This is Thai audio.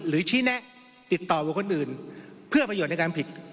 ชี้แนะติดต่อบุคคลอื่นเพื่อประโยชน์ในการผิด